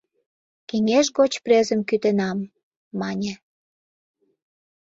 «Кеҥеж гоч презым кӱтенам», — мане.